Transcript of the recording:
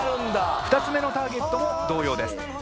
２つ目のターゲットも同様です。